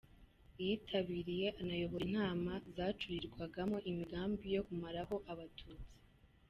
Yitabiriye anayobora inama zacurirwagamo imigambi yo kumaraho Abatutsi.